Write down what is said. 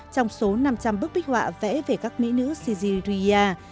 trong số năm trăm linh bức bích họa vẽ về các mỹ nữ sijiriya